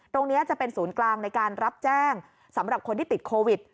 ตรงนี้จะเป็นศูนย์กลางในการรับแจ้งสำหรับคนที่ติดโควิด